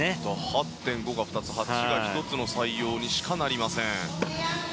８．５が２つ、８が１つの採用にしかなりません。